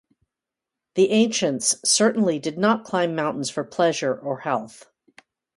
The ancients certainly did not climb mountains for pleasure or health.